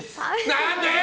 何で！